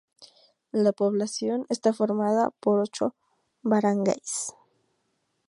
La población está formada por ocho "barangays".